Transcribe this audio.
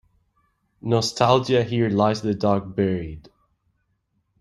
Nostalgia Here lies the dog buried.